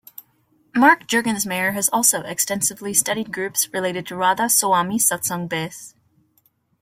Mark Juergensmeyer has also extensively studied groups related to Radha Soami Satsang Beas.